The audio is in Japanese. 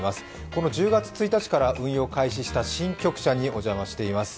この１０月１日から運用を開始した新局舎にお邪魔しています。